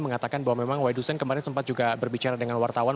mengatakan bahwa memang waidusen kemarin sempat juga berbicara dengan wartawan